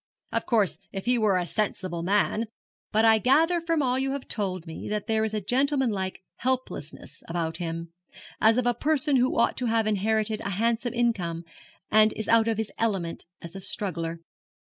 'Of course, if he were a sensible man; but I gather from all you have told me that there is a gentlemanlike helplessness about him as of a person who ought to have inherited a handsome income, and is out of his element as a struggler.'